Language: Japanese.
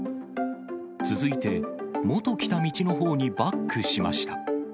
続いて、もと来た道のほうにバックしました。